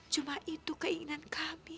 cuma itu keinginan kami